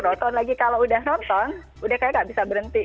nonton lagi kalau udah nonton udah kayak gak bisa berhenti